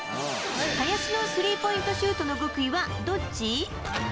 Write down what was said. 林のスリーポイントシュートの極意は、どっち？